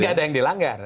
tidak ada yang dilanggar